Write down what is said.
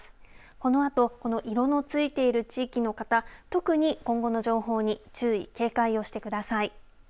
このあとこの色のついている地域の方特に今後の情報に注意警戒をしてください。